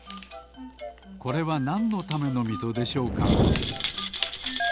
これはなんのためのみぞでしょうか？